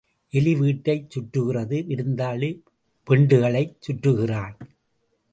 எலி வீட்டைச் சுற்றுகிறது விருந்தாளி பெண்டுகளைச் சுற்றுகிறான்.